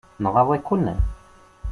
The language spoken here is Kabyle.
Nɣaḍ-iken?